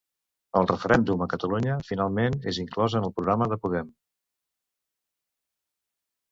El referèndum a Catalunya finalment és inclòs en el programa de Podem.